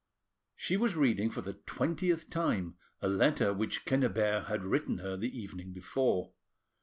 She was reading for the twentieth time a letter which Quenriebert had written her the evening before.